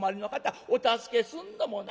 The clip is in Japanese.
お助けすんのもな